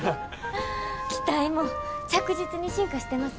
機体も着実に進化してますね。